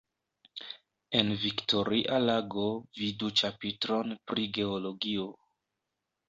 En Viktoria lago vidu ĉapitron pri Geologio.